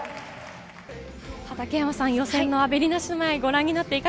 畠山さん、予選のアベリナ姉